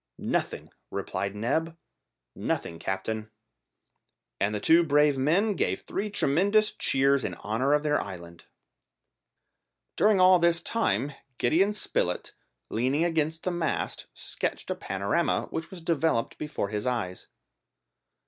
"Nothing," replied Neb; "nothing, captain." And the two brave men gave three tremendous cheers in honour of their island! During all this time Gideon Spilett, leaning against the mast, sketched the panorama which was developed before his eyes.